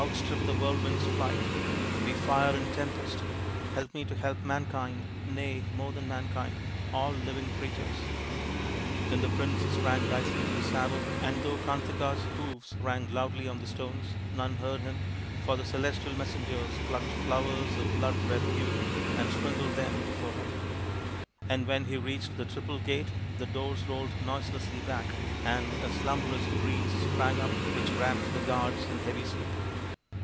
Outstrip the whirl wind's flight, be fire and tempest ! Help me to help mankind nay, more than mankind all living creatures." Then the prince sprang lightly to the saddle, and though Kantaka's hoofs rang loudly on the stones none heard him, for the celestial messengers plucked flowers of blood red hue and sprinkled them before him ; and when he reached the triple gate the doors rolled noiselessly back, and a slumberous breeze i8o THE INDIAN STORY BOOK sprang up which wrapped the guards in heavy sleep.